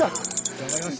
頑張りました。